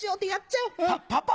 パパ？